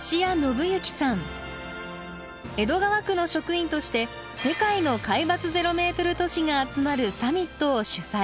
江戸川区の職員として世界の海抜ゼロメートル都市が集まるサミットを主催。